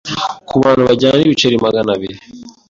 ku bantu bajyana ibiceri maganabiri '